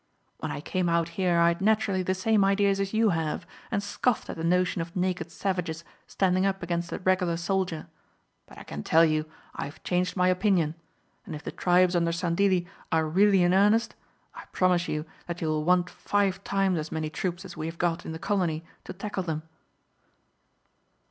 When I came out here I had naturally the same ideas as you have, and scoffed at the notion of naked savages standing up against a regular soldier, but I can tell you I have changed my opinion, and if the tribes under Sandilli are really in earnest, I promise you that you will want five times as many troops as we have got in the colony to tackle them."